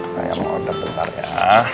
saya mau order bentar ya